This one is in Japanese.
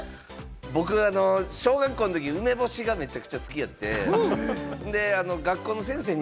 僕は小学校のとき、梅干しがめっちゃ好きやって、学校の先生に、